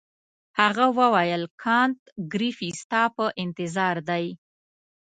هغه وویل کانت ګریفي ستا په انتظار دی.